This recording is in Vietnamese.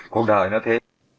công đời nó thế